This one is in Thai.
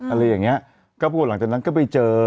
อะไรอย่างเงี้ยก็พูดหลังจากนั้นก็ไปเจอ